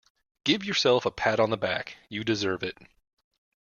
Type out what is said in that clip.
Give yourself a pat on the back, you deserve it.